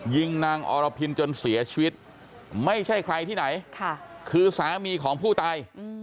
ยิงนางอรพินจนเสียชีวิตไม่ใช่ใครที่ไหนคือสามีของผู้ตาย